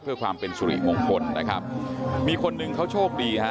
เพื่อความเป็นสุริมงคลนะครับมีคนหนึ่งเขาโชคดีฮะ